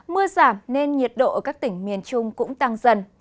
mưa giảm nên nhiệt độ ở các tỉnh miền trung cũng tăng dần